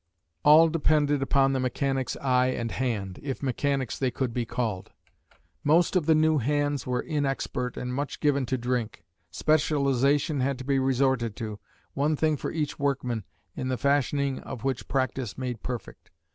All depended upon the mechanics' eye and hand, if mechanics they could be called. Most of the new hands were inexpert and much given to drink. Specialisation had to be resorted to one thing for each workman, in the fashioning of which practice made perfect.